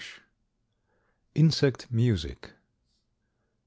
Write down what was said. INSECT MUSIC.